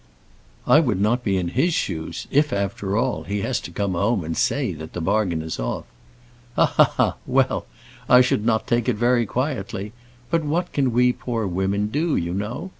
"I would not be in his shoes if, after all, he has to come home and say that the bargain is off." "Ha, ha, ha! Well, I should not take it very quietly. But what can we poor women do, you know?